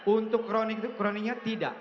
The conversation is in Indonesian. untuk kronik kroniknya tidak